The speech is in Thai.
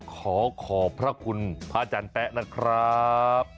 ขอขอบพระคุณพระอาจารย์แป๊ะนะครับ